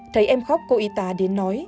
thấy em khóc cô y tá đến nói